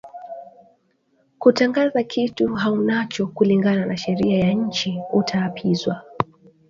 Kutangaza kitu auna nacho kulingana na sheria ya inchi uta apizwa